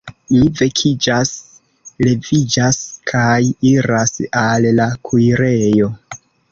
Mi vekiĝas, leviĝas, kaj iras al la kuirejo.